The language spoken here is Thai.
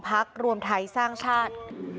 พักรวมไทยสร้างชาติ